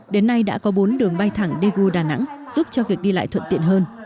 đến nay đã có bốn đường bay thẳng daegu đà nẵng giúp cho việc đi lại thuận tiện hơn